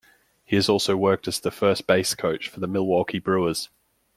He has also worked as the first base coach for the Milwaukee Brewers.